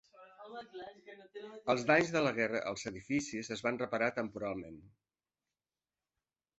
Els danys de la guerra als edificis es van reparar temporalment.